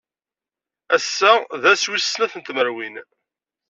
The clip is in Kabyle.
Ass-a d ass wis snat n tmerwin.